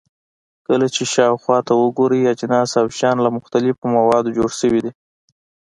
کله چې شاوخوا ته وګورئ، اجناس او شیان له مختلفو موادو جوړ شوي دي.